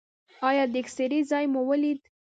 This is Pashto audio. ایا د اکسرې ځای مو ولید؟